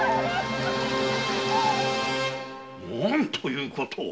何ということを！